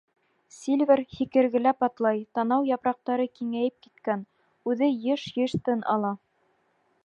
Сильвер һикергеләп атлай, танау япраҡтары киңәйеп киткән, үҙе йыш-йыш тын ала.